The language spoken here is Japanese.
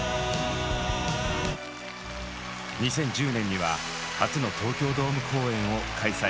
２０１０年には初の東京ドーム公演を開催。